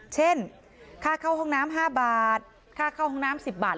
เช่นค่าเข้าห้องน้ำ๕บาทค่าเข้าห้องน้ำ๑๐บาท